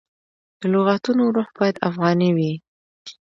د لغتونو روح باید افغاني وي.